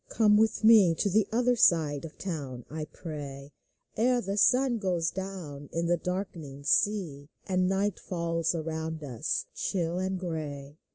Come with me To the other side of the town, I pray, Ere the sun goes down in the darkening sea, And night falls around us, chill and gray.